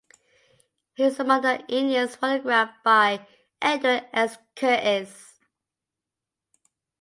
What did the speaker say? He was among the Indians photographed by Edward S. Curtis.